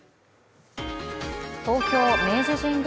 東京・明治神宮